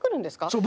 そう。